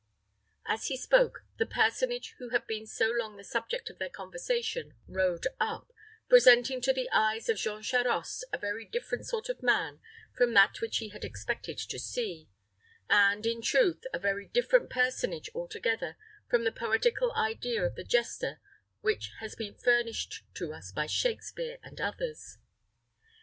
As he spoke, the personage who had been so long the subject of their conversation rode up, presenting to the eyes of Jean Charost a very different sort of man from that which he had expected to see, and, in truth, a very different personage altogether from the poetical idea of the jester which has been furnished to us by Shakspeare and others.